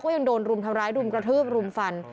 ยังโดนรุมทำร้ายรุมกระทืบรุมฟัน